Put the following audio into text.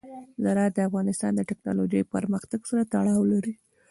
زراعت د افغانستان د تکنالوژۍ پرمختګ سره تړاو لري.